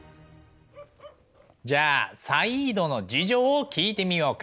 じゃあサイードの事情を聞いてみようか。